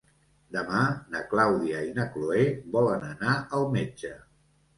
Demà na Clàudia i na Cloè volen anar al metge.